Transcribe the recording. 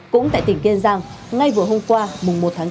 cũng tại tỉnh kiên giang ngay vừa hôm qua mùng một tháng chín